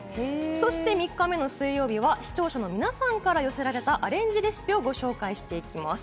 そして３日目水曜日は視聴者の皆さんから寄せられたアレンジレシピをご紹介します。